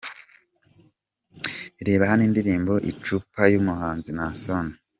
Reba hano indirimbo Icupa y'umuhanzi Naason.